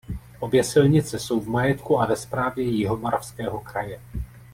Obě silnice jsou v majetku a ve správě Jihomoravského kraje.